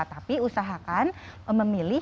tapi usahakan memilih